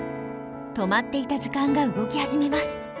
止まっていた時間が動き始めます。